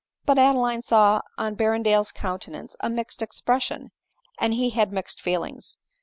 But Adeline saw on Berrendale's countenance a mixed expression — and he had mixed feelings.